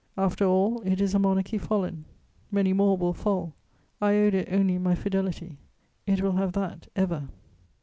After all, it is a monarchy fallen; many more will fall: I owed it only my fidelity; it will have that ever.